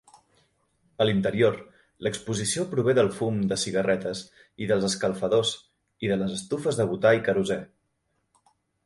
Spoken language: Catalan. A l'interior, l'exposició prové del fum de cigarretes i dels escalfadors, i de les estufes de butà i querosè.